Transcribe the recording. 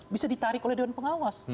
bisa ditarik oleh dewan pengawas